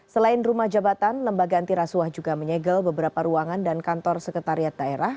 selain rumah jabatan lembaga antirasuah juga menyegel beberapa ruangan dan kantor sekretariat daerah